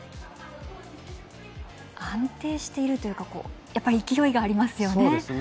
安定しているというかやっぱり勢いがありますよね。